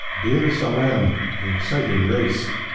BIR SALEM AN EXCITING RACE.